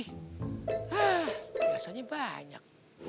hah biasanya banyak